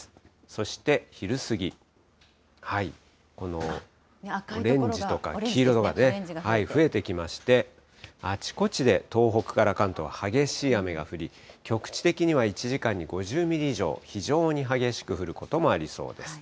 そして昼過ぎ、このオレンジとか、黄色が増えてきまして、あちこちで東北から関東、激しい雨が降り、局地的には１時間に５０ミリ以上、非常に激しく降ることもありそうです。